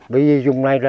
bởi vì dùng này